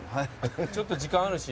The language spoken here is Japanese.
ちょっと時間あるし。